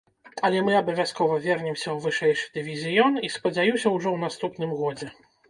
Але мы абавязкова вернемся ў вышэйшы дывізіён, і, спадзяюся, ужо ў наступным годзе.